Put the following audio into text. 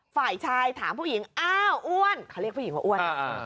ฝ่ายชายถามผู้หญิงอ้าวอ้วนเขาเรียกผู้หญิงว่าอ้วน